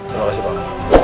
terima kasih pak